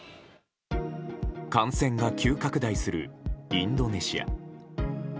感染が急拡大するインドネシア。